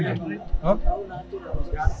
satu tahun hancur